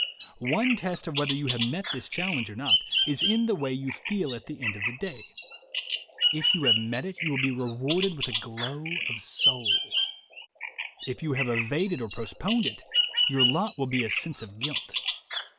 One test of whether you have met this challenge or not is in the way you feel at the end of the day. If you have met it, you will be rewarded with a glow of soul. If you have evaded or postponed it, your lot will be a sense of guilt.